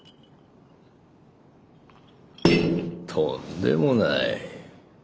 とんでもない。